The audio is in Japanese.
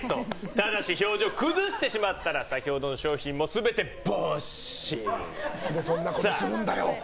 ただし表情崩してしまったら先ほどの賞品も何でそんなことするんだよ。